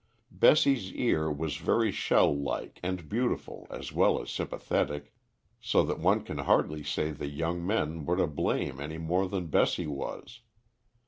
Bessie's ear was very shell like and beautiful as well as sympathetic, so that one can hardly say the young men were to blame any more than Bessie was.